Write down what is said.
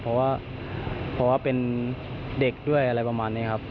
เพราะว่าเป็นเด็กด้วยอะไรประมาณนี้ครับ